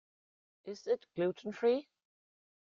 Is it gluten-free?